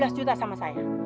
yang sebelas juta sama saya